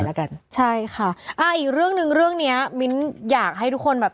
แล้วกันใช่ค่ะอ่าอีกเรื่องหนึ่งเรื่องเนี้ยมิ้นอยากให้ทุกคนแบบ